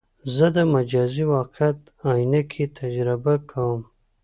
زه د مجازي واقعیت عینکې تجربه کوم.